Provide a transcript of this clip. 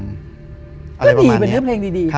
ก็ดีเป็นเนื้อเพลงดี